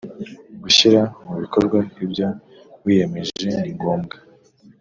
gushyira mu bikorwa ibyo wiyemeje ningombwa